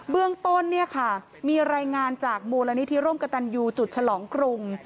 เรื่องต้นเนี่ยค่ะมีรายงานจากมูลนิธิร่มกระตันยูจุดฉลองกรุง